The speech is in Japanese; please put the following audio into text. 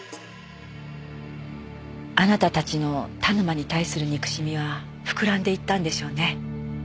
あなたたちの田沼に対する憎しみは膨らんでいったんでしょうね。